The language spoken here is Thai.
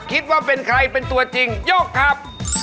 คิดว่าเป็นใครเป็นตัวจริงยกครับ